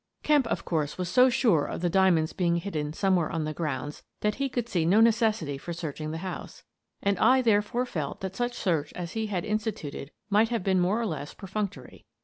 Kemp, of course, was so sure of the diamonds being hidden somewhere on the grounds that he could see no necessity for searching the house, and I therefore felt that such search as he had instituted might have been more or less perfunctory.